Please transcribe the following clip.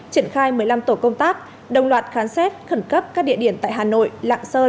triển khai một mươi năm tổ công tác đồng loạt khám xét khẩn cấp các địa điểm tại hà nội lạng sơn